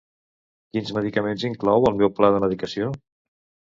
Quins medicaments inclou el meu pla de medicació?